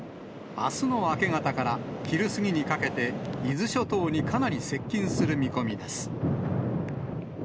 あすの明け方から昼過ぎにかけて、伊豆諸島にかなり接近する見込みです。